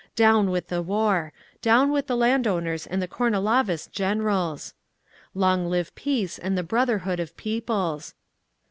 "Down with the war! Down with the landowners and the Kornilovist Generals! "Long live Peace and the Brotherhood of peoples!"